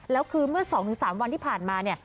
แล้วคือเมื่อ๒๓วันที่ผ่านมาเนี่ย